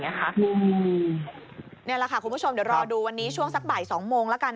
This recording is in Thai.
นี่แหละค่ะคุณผู้ชมเดี๋ยวรอดูวันนี้ช่วงสักบ่าย๒โมงแล้วกัน